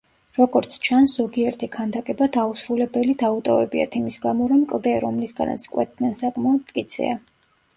როგორც ჩანს, ზოგიერთი ქანდაკება დაუსრულებელი დაუტოვებიათ იმის გამო, რომ კლდე, რომლისგანაც კვეთდნენ საკმაოდ მტკიცეა.